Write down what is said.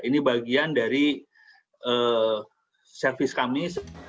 ini bagian dari servis kami